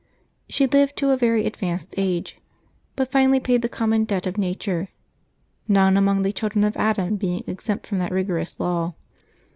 She lived to a very advanced age, but finally paid the common debt of nature, none among the children of Adam being exempt from that rigorous law.